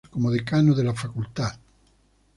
Reemplazó a Henri Milne-Edwards como decano de la facultad.